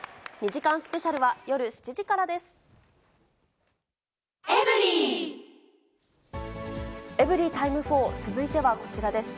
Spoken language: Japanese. ２時間スペシャルは夜７時からです。